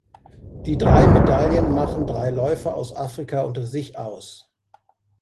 Die drei Medaillen machten drei Läufer aus Afrika unter sich aus.